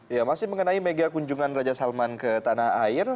ya masih mengenai mega kunjungan raja salman ke tanah air